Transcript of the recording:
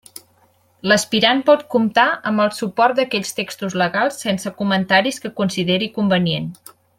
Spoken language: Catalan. L'aspirant pot comptar amb el suport d'aquells textos legals sense comentaris que consideri convenient.